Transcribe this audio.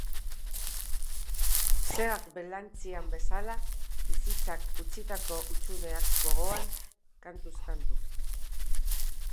Segak belartzian bezala, bizitzak utzitako hutsuneak gogoan, kantuz kantu.